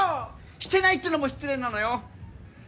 してないっていうのも失礼なのよ！